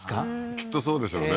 きっとそうでしょうね